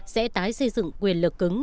sẽ tái xây dựng quyền lực cứng